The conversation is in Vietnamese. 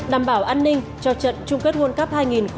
đảm bảo an ninh cho trận chung kết world cup hai nghìn hai mươi